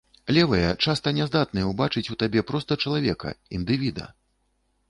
Левыя часта няздатныя ўбачыць у табе проста чалавека, індывіда.